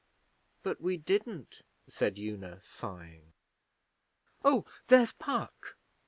'But we didn't,' said Una, sighing. 'Oh! there's Puck!'